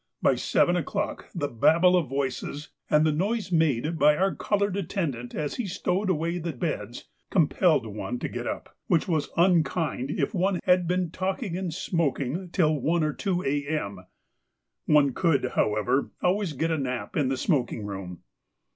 By seven o'clock the Babel of voices, and the noise made by our coloured attendant as he stowed away the beds, compelled one to get up, which was unkind if one had been talking and smoking till 1 or 2 A.M. One could, however, always get a nap in the smoking room.